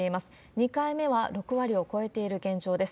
２回目は６割を超えている現状です。